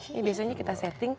ini biasanya kita setting